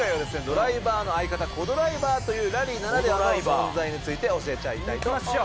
ドライバーの相方コ・ドライバーというラリーならではの存在について教えちゃいたいと思います。